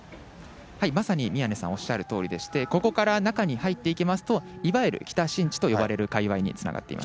まさに宮根さん、おっしゃるとおりでして、ここから中に入っていきますと、いわゆる北新地といわれる界わいにつながっています。